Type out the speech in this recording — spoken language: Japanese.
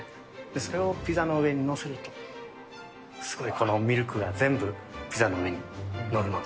それをピザに載せると、すごい、このミルクが全部、ピザの上に載るので。